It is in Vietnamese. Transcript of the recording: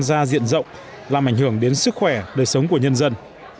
ra diện rộng làm ảnh hưởng đến sức khỏe đời sống của nhân dân